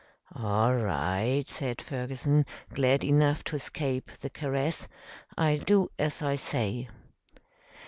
"All right," said Ferguson, glad enough to escape the caress. "I'll do as I say."